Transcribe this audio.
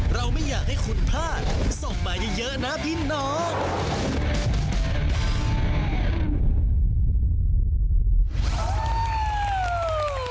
เราไม่อยากให้คุณพลาดส่งมาเยอะนะพี่น้อง